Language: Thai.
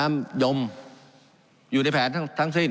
การปรับปรุงทางพื้นฐานสนามบิน